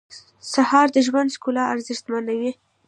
سهار د ژوند ښکلا ارزښتمنوي.